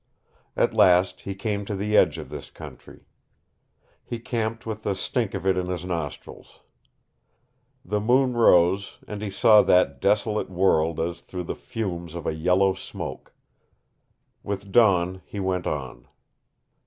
At last he came to the edge of this country. He camped with the stink of it in his nostrils. The moon rose, and he saw that desolate world as through the fumes of a yellow smoke. With dawn he went on.